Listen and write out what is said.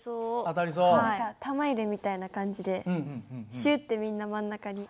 何か玉入れみたいな感じでシュッてみんな真ん中に。